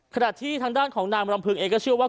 ขณะที่ทางด้านของนางรำพึงเองก็เชื่อว่า